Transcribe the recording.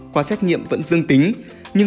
qua xét nghiệm vẫn dương tính